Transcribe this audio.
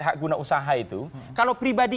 hak guna usaha itu kalau pribadi